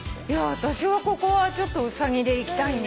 私はここはちょっと「うさぎ」でいきたいね。